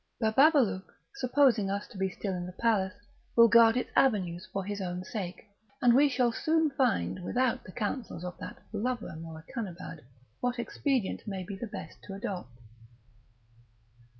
Bababalouk, supposing us to be still in the palace, will guard its avenues for his own sake; and we shall soon find, without the counsels of that blubberer Morakanabad, what expedient may be the best to adopt."